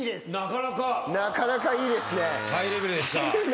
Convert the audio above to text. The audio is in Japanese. なかなかいいですね。